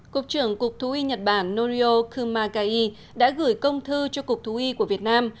cục trưởng cục thú y nhật bản norio kumagai đã gửi công thư cho cục thú y của việt nam